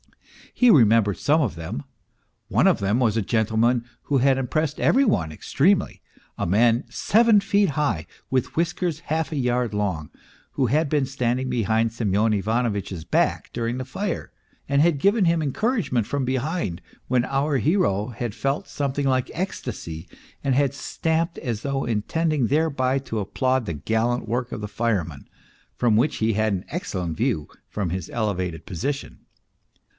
He remembered some of them. One of them was a gentleman who had impressed every one extremely, a man seven feet high, with whiskers half a yard long, who had been standing behind Semyon Ivanovitch's back during the fire, and had given him encouragement from behind, when our hero had felt something like ecstasy and had stamped as though 272 MR. PROHARTCHIN intending thereby to applaud the gallant work of the firemen, from which he had an excellent view from his elevated position.